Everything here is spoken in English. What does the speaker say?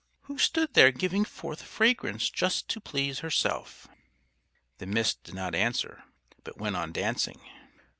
], who stood there giving forth fragrance just to please herself. The Mist did not answer, but went on dancing.